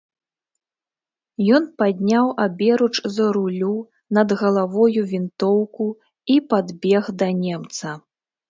Ён падняў аберуч за рулю над галавою вінтоўку і падбег да немца.